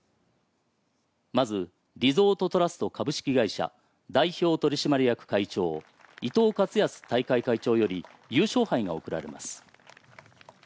まず、リゾートトラスト株式会社代表取締役会長伊藤勝康大会会長より、優勝杯が贈られます。